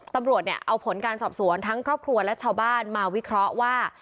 ตำรวจเนี่ยเอาผลการสอบสวนทั้งครอบครัวและชาวบ้านมาวิเคราะห์ว่า